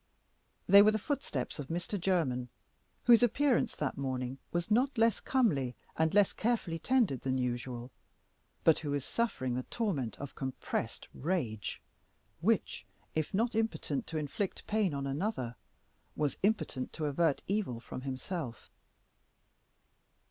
They were the footsteps of Mr. Jermyn, whose appearance that morning was not less comely and less carefully tended than usual, but who was suffering the torment of a compressed rage, which, if not impotent to inflict pain on another, was impotent to avert evil from himself.